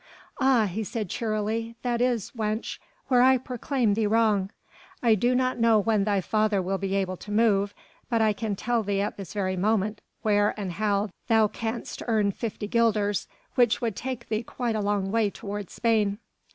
"Ah!" he said cheerily, "that is, wench, where I proclaim thee wrong! I do not know when thy father will be able to move, but I can tell thee at this very moment where and how thou canst earn fifty guilders which should take thee quite a long way toward Spain."